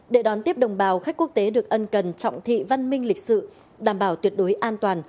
để đón tiếp đồng bào khách quốc tế được ân cần trọng thị văn minh lịch sự đảm bảo tuyệt đối an toàn